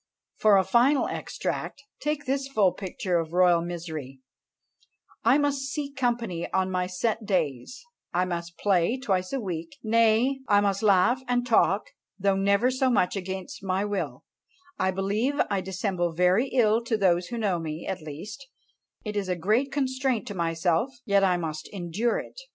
For a final extract, take this full picture of royal misery "I must see company on my set days; I must play twice a week; nay, I must laugh and talk, though never so much against my will: I believe I dissemble very ill to those who know me; at least, it is a great constraint to myself, yet I must endure it.